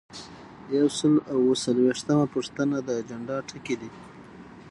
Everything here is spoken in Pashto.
یو سل او اووه څلویښتمه پوښتنه د اجنډا ټکي دي.